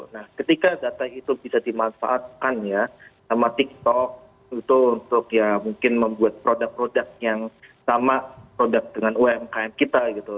nah ketika data itu bisa dimanfaatkan ya sama tiktok itu untuk ya mungkin membuat produk produk yang sama produk dengan umkm kita gitu